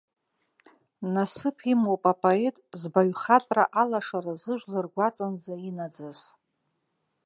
Насыԥ имоуп апоет, збаҩхатәра алашара зыжәлар ргәаҵанӡа инаӡаз.